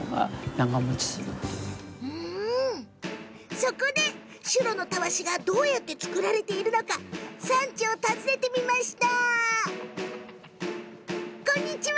そこでシュロのたわしがどうやって作られているのか産地を訪ねてみたわ。